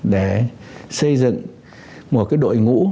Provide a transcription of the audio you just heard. để xây dựng một cái đội ngũ